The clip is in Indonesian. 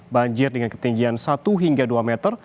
banjir dengan ketinggian satu hingga dua meter